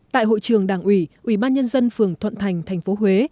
tại hội trường đảng ủy ủy ban nhân dân phường thuận thành thành phố huế